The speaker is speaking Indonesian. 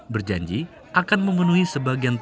berjanji akan memenuhi sebagian